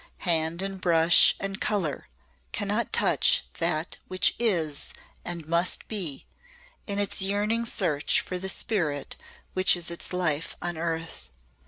Hand and brush and colour cannot touch That which Is and Must Be in its yearning search for the spirit which is its life on earth.